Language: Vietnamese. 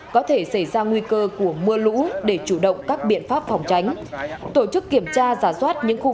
có thể xảy ra nguy cơ của mưa lũ để chủ động các biện pháp phòng tránh